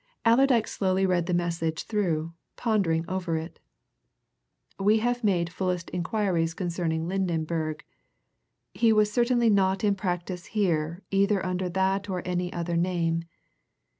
Allerdyke slowly read the message through, pondering over it "We have made fullest inquiries concerning Lydenberg. He was certainly not in practice here either under that or any other name.